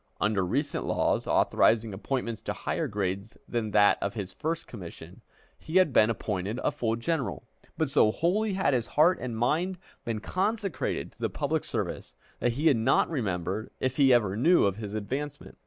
Under recent laws, authorizing appointments to higher grades than that of his first commission, he had been appointed a full general; but so wholly had his heart and his mind been consecrated to the public service, that he had not remembered, if he ever knew, of his advancement.